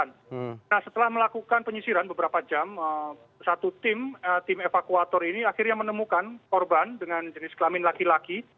nah setelah melakukan penyisiran beberapa jam satu tim evakuator ini akhirnya menemukan korban dengan jenis kelamin laki laki